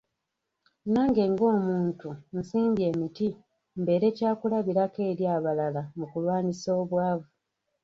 Nange ng’omuntu nsimbye emiti mbeere kyakulabirako eri abalala mu kulwanyisa obwavu.